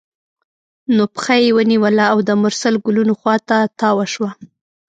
نو پښه یې ونیوله او د مرسل ګلونو خوا ته تاوه شوه.